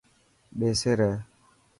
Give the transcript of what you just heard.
ٻيسي ري.